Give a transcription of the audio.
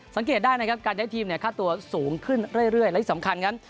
สังเกตได้นะครับการย้ายทีมเนี่ยค่าตัวสูงขึ้นเรื่อยและที่สำคัญครับ